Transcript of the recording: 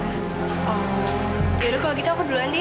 oh yaudah kalau gitu aku duluan diya